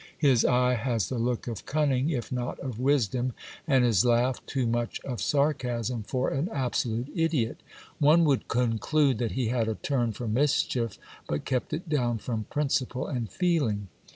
His eye has the look of cunning if not of wisdom, and his laugh too much of sarcasm for an abso lute idiot One would conclude that he had a turn for mischief, but kept it down from principle and feeling.